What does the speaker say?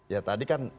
ya tadi kan